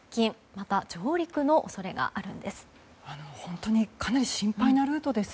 また、上陸の恐れがあるんです。